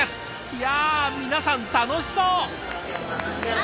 いや皆さん楽しそう！